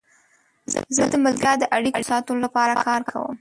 زه د ملګرتیا د اړیکو ساتلو لپاره کار کوم.